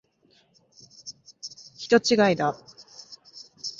人違いだ。